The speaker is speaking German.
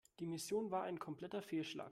Die Mission war ein kompletter Fehlschlag.